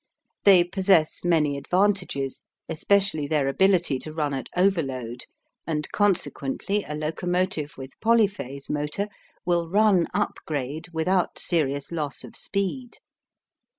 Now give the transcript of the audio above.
They possess many advantages, especially their ability to run at overload, and consequently a locomotive with polyphase motor will run up grade without serious loss of speed.